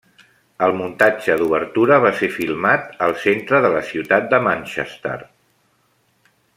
El muntatge d'obertura va ser filmat al centre de la ciutat de Manchester.